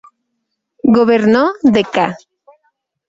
Gobernó de ca.